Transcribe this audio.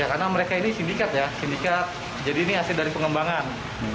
karena mereka ini sindikat ya sindikat jadi ini hasil dari pengembangan